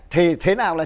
thì thế nào là